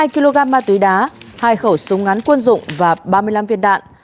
hai kg ma túy đá hai khẩu súng ngắn quân dụng và ba mươi năm viên đạn